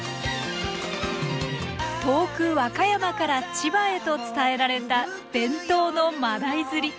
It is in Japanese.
遠く和歌山から千葉へと伝えられた伝統のマダイ釣り。